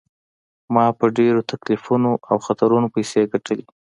ما په ډیرو تکلیفونو او خطرونو پیسې ګټلي.